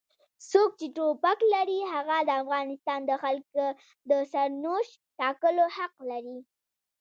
څوک چې ټوپک لري هغه د افغانستان د خلکو د سرنوشت ټاکلو حق لري.